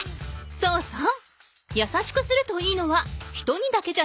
そうそう。